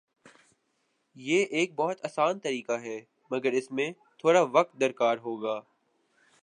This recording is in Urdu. یہ ایک بہت آسان طریقہ ہے مگر اس میں تھوڑا وقت کار ہوگا